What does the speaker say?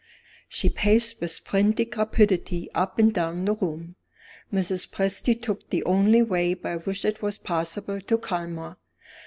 She paced with frantic rapidity up and down the room. Mrs. Presty took the only way by which it was possible to calm her.